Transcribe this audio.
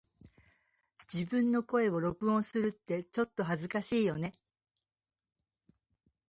自分の声を録音するってちょっと恥ずかしいよね🫣